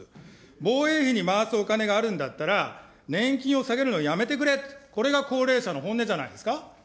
防衛費に回すお金があるんだったら、年金を下げるのをやめてくれって、これが高齢者の本音じゃないですか。